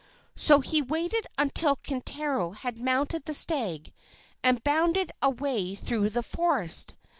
So he waited until Kintaro had mounted the stag and bounded away through the forest.